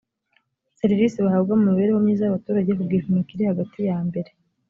serivisi bahabwa mu mibereho myiza y abaturage ku gipimo kiri hagati yambere